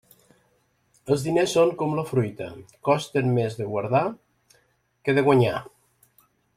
Els diners són com la fruita, costen més de guardar que de guanyar.